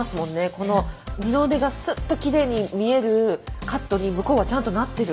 この二の腕がスッときれいに見えるカットに向こうはちゃんとなってる。